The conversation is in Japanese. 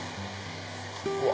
うわ！